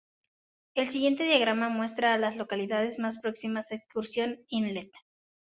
El siguiente diagrama muestra a las localidades más próximas a Excursión Inlet.